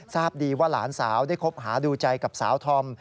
ทราบดีว่าหลานสาวได้คบหาดูใจกับสาวธอม